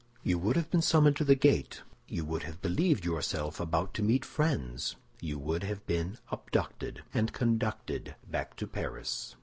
You would have been summoned to the gate; you would have believed yourself about to meet friends; you would have been abducted, and conducted back to Paris."